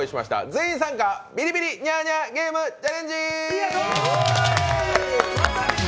全員参加「ビリビリニャーニャーゲームチャレンジ」！